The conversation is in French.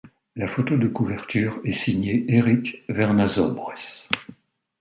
La photo de couverture est signée Éric Vernazobres.